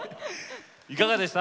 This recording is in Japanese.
いかがでした？